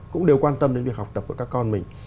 cũng đều quan tâm đến việc học tập của các con mình